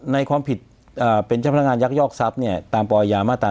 ในความผิดเป็นเจ้าพนักงานยักยอกทรัพย์ตามปอยามาตรา๑